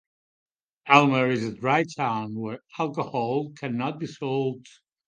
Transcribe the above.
Elmer is a dry town where alcohol cannot be sold.